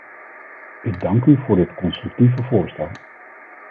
Ik dank u voor dit constructieve voorstel.